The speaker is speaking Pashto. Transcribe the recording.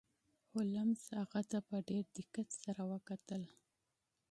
هولمز هغه ته په ډیر دقت سره وکتل.